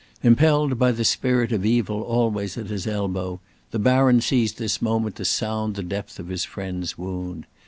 Impelled by the spirit of evil always at his elbow, the Baron seized this moment to sound the depth of his friend's wound.